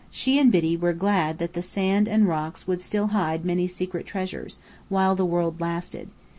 She and Biddy were glad that the sand and rocks would still hide many secret treasures, while the world lasted.